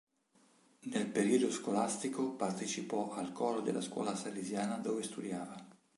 Nel periodo scolastico, partecipò al coro della scuola salesiana dove studiava.